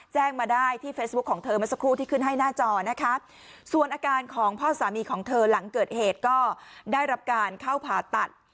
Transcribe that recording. แจ้งมาได้ที่เฟซบุ๊คของเธอเมื่อสักครู่ที่ขึ้นให้หน้าจอนะคะส่วนอาการของพ่อสามีของเธอหลังเกิดเหตุก็ได้รับการเข้าผ่าตัด